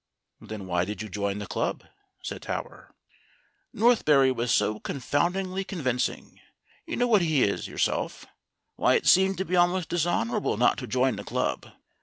"Then why did you join the club?" said Tower. "Northberry was so confoundedly convincing. You know what he is yourself. Why, it seemed to be al most dishonorable not to join the club."